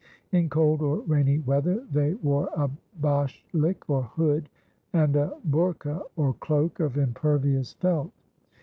In cold or rainy weather, they wore a bashlik, or hood, and a bourka, or cloak, of impervious felt.